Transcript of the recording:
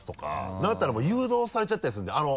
なんだったらもう誘導されちゃったりするんだよ。